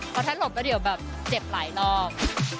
เพราะถ้าหลบก็เดี๋ยวแบบเจ็บหลายรอบ